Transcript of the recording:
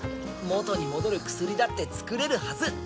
元に戻る薬だって作れるはず。